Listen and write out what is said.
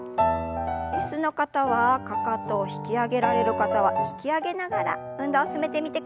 椅子の方はかかとを引き上げられる方は引き上げながら運動を進めてみてください。